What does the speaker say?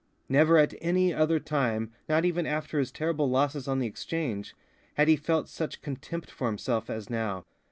Never at any other time, not even after his terrible losses on the Exchange, had he felt such contempt for himself as now.